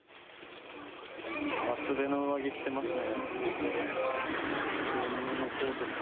厚手の上着着てますね。